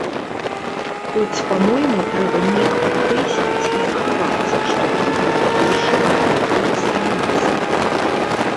Хоць, па-мойму, трэба неяк падкрэсліць і захаваць, што тут быў першы аэрапорт сталіцы.